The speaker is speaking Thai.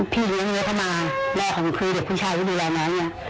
พี่เลี้ยงเยอะเข้ามาแม่ของคืนเด็กคุณชายดูแลน้ำ